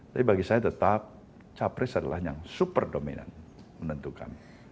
tapi bagi saya tetap capres adalah yang super dominan menentukan